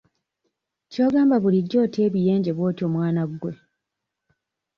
Ky'ogamba bulijjo otya ebiyenje bw'otyo mwana gwe?